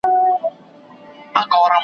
حکومت د خلکو خدمت ته اړتیا لري.